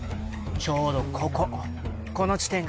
ちょうどこここの地点が